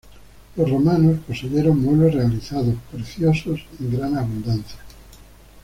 Los romanos poseyeron muebles realizados, preciosos en gran abundancia.